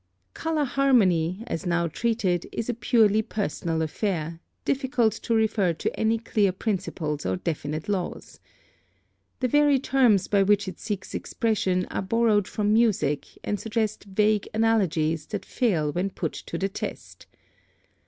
(46) Color harmony, as now treated, is a purely personal affair, difficult to refer to any clear principles or definite laws. The very terms by which it seeks expression are borrowed from music, and suggest vague analogies that fail when put to the test.